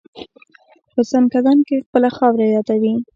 په ځانکدن خپله خاوره یادوي.